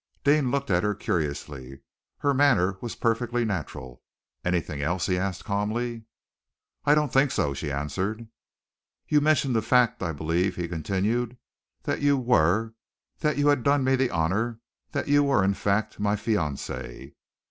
Deane looked at her curiously. Her manner was perfectly natural. "Anything else?" he asked calmly. "I don't think so," she answered. "You mentioned the fact, I believe," he continued, "that you were that you had done me the honor that you were, in fact, my fiancée."